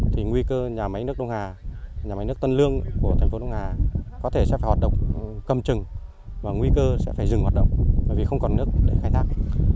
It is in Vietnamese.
thì nguy cơ nhà máy nước tân lương của thành phố đông hà có thể sẽ phải hoạt động cầm trừng và nguy cơ sẽ phải dừng hoạt động bởi vì không có nước để khai thác